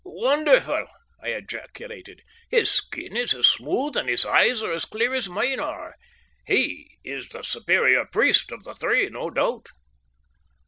"Wonderful!" I ejaculated. "His skin is as smooth and his eyes are as clear as mine are. He is the superior priest of the three, no doubt."